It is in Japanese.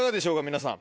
皆さん。